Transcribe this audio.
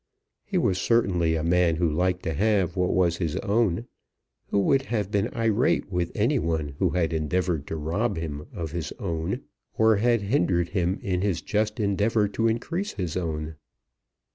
He was certainly a man who liked to have what was his own, who would have been irate with any one who had endeavoured to rob him of his own, or had hindered him in his just endeavour to increase his own.